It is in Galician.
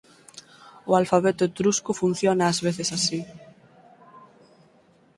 O alfabeto etrusco funciona ás veces así.